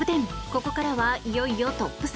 ここからはいよいよトップ３。